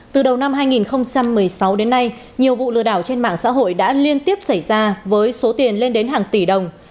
từ đầu năm hai nghìn một mươi sáu đến nay nhiều vụ lừa đảo trên mạng xã hội đã liên tiếp xảy ra với số tiền lên đến hàng tỷ đồng